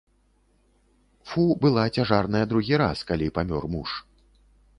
Фу была цяжарная другі раз, калі памёр муж.